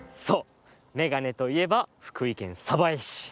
そうめがねといえば福井県鯖江市。